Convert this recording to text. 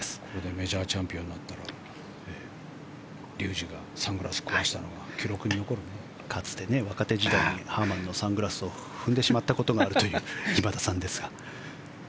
メジャーチャンピオンになったら竜二がサングラス壊したのがかつて、若手時代にハーマンのサングラスを踏んでしまったことがあるという今田さんですが。